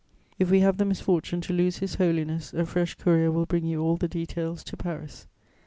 If we have the misfortune to lose His Holiness, a fresh courier will bring you all the details to Paris.